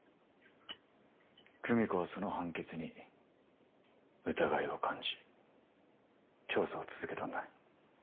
久美子はその判決に疑いを感じ調査を続けたんだ。